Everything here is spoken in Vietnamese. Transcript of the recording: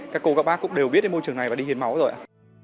các cô các bác cũng đều biết môi trường này và đi hiến máu rồi ạ